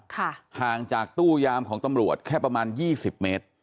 ห่างจากตู้ยามของตำรวจแค่ประมาณยี่สิบเมตร